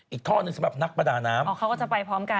อีกท่อหนึ่งสำหรับนักประดาน้ำอ๋อเขาก็จะไปพร้อมกัน